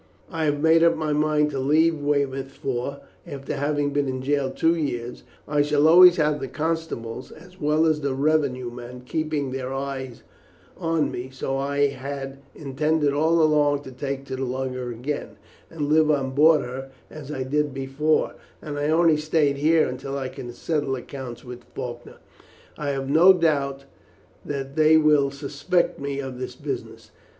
"I have made up my mind to leave Weymouth, for, after having been in jail two years, I shall always have the constables as well as the revenue men keeping their eye on me, so I had intended all along to take to the lugger again, and live on board her as I did before, and I only stayed here until I could settle accounts with Faulkner. I have no doubt that they will suspect me of this business.